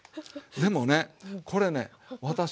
でもねこれね私ね